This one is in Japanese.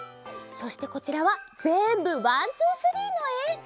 そしてこちらはぜんぶ「ワン・ツー・スリー！」のえ。